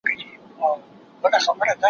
وارخطا یې ښي او کیڼ لور ته کتله